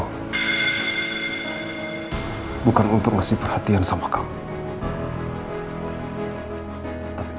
aku datang kesini bukan untuk berhati hati sama kamu